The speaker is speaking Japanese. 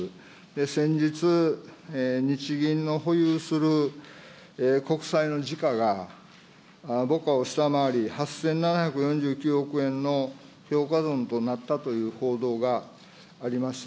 先日、日銀の保有する国債の時価が、簿価を下回り８７４９億円の評価損となったという報道がありました。